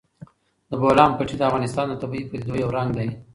د بولان پټي د افغانستان د طبیعي پدیدو یو رنګ دی.